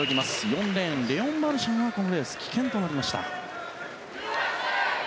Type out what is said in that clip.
４レーン、レオン・マルシャンはこのレース棄権となりました。